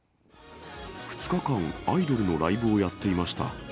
２日間、アイドルのライブをやっていました。